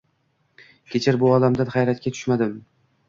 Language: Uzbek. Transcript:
Kechir, bu olamdan hayratga tushdim